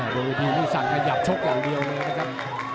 โรยีมีสันขยับชกอย่างเดียวเลยนะครับ